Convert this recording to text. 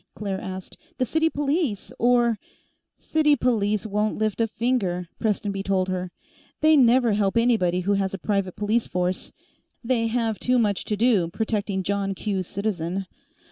Claire asked. "The city police, or " "City police won't lift a finger," Prestonby told her. "They never help anybody who has a private police force; they have too much to do protecting John Q. Citizen.